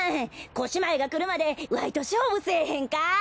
コシマエが来るまでわいと勝負せえへんか？